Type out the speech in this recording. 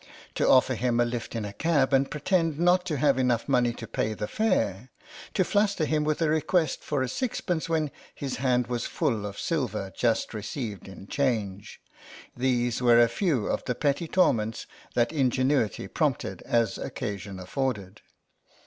To offer him a lift in a cab and pretend not to have enough money to pay the fair, to fluster him with a request for a sixpence when his hand was full of silver just received in 68 THE SOUL OF LAPLOSHKA change, these were a few of the petty torments that ingenuity prompted as occasion afforded.